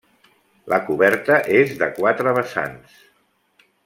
La coberta és de quatre vessants.